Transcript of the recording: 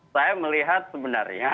saya melihat sebenarnya